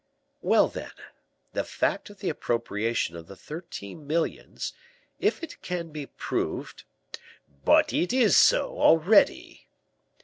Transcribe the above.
"Well, then, the fact of the appropriation of the thirteen millions, if it can be proved " "But it is so already."